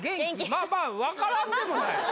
まあまあ分からんでもない